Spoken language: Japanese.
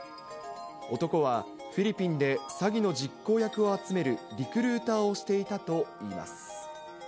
男はフィリピンで詐欺の実行役を集めるリクルーターをしていたといいます。